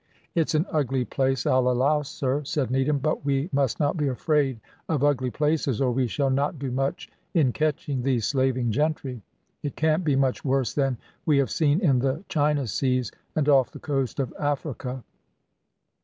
"It's an ugly place, I'll allow, sir," said Needham; "but we must not be afraid of ugly places, or we shall not do much in catching these slaving gentry. It can't be much worse than we have seen in the China Seas, and off the coast of Africa."